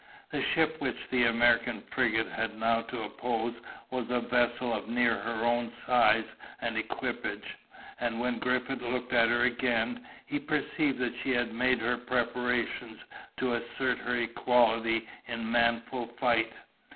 The ship which the American frigate had now to oppose was a vessel of near her own size and equipage; and when Griffith looked at her again, he perceived that she had made her preparations to assert her equality in manful fight.